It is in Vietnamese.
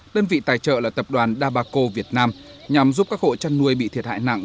đơn vị tài trợ là tập đoàn dabaco việt nam nhằm giúp các hộ chăn nuôi bị thiệt hại nặng